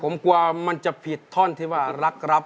มีอันดี้พรั่น